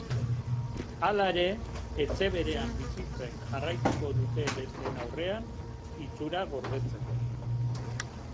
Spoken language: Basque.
Hala ere, etxe berean bizitzen jarraituko dute besteen aurrean itxurak gordetzeko.